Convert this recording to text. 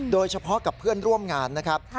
โดยเฉพาะกับเพื่อนร่วมงานนะครับ